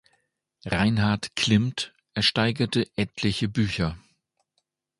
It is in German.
Reinhard Klimmt ersteigerte etliche Bücher.